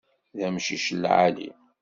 D amcic lɛali!